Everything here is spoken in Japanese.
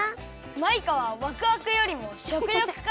マイカはわくわくよりもしょくよくか！